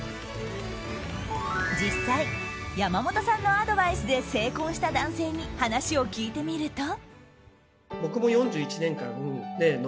実際、山本さんのアドバイスで成婚した男性に話を聞いてみると。